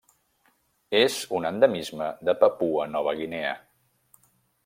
És un endemisme de Papua Nova Guinea.